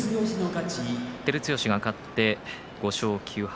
照強、勝って５勝９敗。